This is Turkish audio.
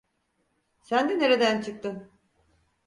Sen de nereden çıktın?